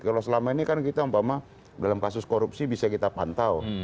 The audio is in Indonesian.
kalau selama ini kan kita umpama dalam kasus korupsi bisa kita pantau